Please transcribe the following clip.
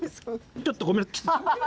ちょっとごめんなさい。